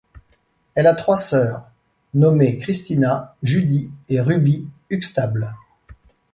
Elle a trois sœurs nommées Christina, Judy et Ruby Huxtable.